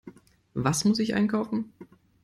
Was muss ich einkaufen?